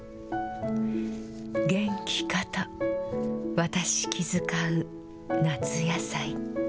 元気かと私気遣う夏野菜。